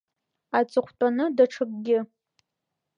Аҵыхәтәаны даҽакгьы.